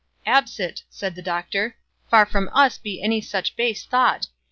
"Absit," said the doctor; "far from us be any such base thought!